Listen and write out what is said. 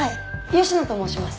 吉野と申します。